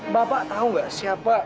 bapak tahu nggak siapa